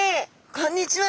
こんにちは！